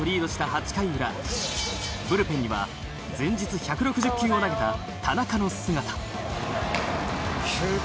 ８回裏ブルペンには前日１６０球を投げた田中の姿。